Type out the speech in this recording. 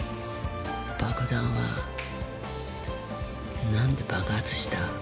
爆弾は、なんで爆発した。